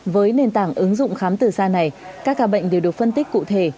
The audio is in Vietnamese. với nền tảng ứng dụng khám từ xa này các ca bệnh đều được phân tích cụ thể